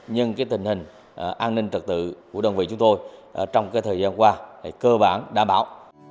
nhưng tình hình an ninh trật tự của đơn vị chúng tôi trong thời gian qua cơ bản đảm bảo